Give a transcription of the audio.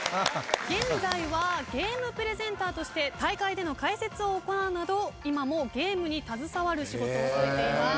現在はゲームプレゼンターとして大会での解説を行うなど今もゲームに携わる仕事をされています。